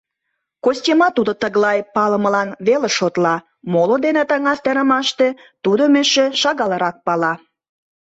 Костимат тудо тыглай палымылан веле шотла, моло дене таҥастарымаште тудым эше шагалрак пала.